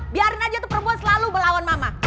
biarin aja tuh perempuan selalu melawan mama